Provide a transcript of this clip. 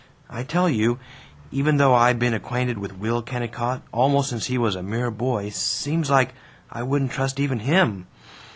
I tell you, even though I been acquainted with Will Kennicott almost since he was a mere boy, seems like, I wouldn't trust even him!